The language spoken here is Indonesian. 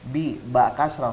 bi ba kasrah